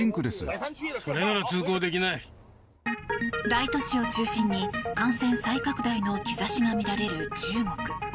大都市を中心に感染再拡大の兆しが見られる中国。